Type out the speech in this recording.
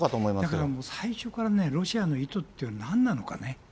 だからもう、最初からね、ロシアの意図ってなんなのかね。